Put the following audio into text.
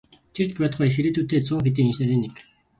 Тэр ч байтугай их ирээдүйтэй цөөн хэдэн инженерийн нэг.